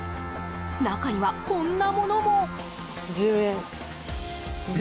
中には、こんなものも。